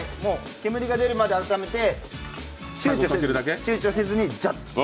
煙が出るまで温めて、ちゅうちょせずにジャッと。